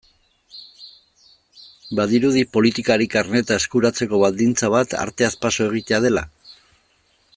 Badirudi politikari karneta eskuratzeko baldintza bat arteaz paso egitea dela?